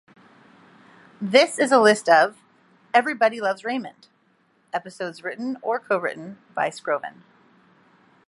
This is a list of "Everybody Loves Raymond" episodes written or co-written by Skrovan.